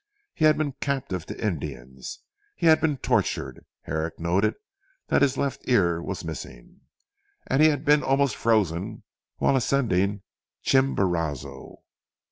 He had been captive to Indians, he had been tortured Herrick noted that his left ear was missing and he had been almost frozen while ascending Chimborazo.